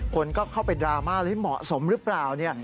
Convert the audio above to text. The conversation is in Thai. คนก็เข้าไปดราม่าเหมาะสมหรือเปล่าเนี่ย